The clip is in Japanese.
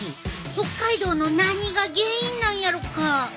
北海道の何が原因なんやろか？